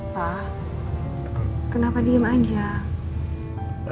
pa kenapa diem aja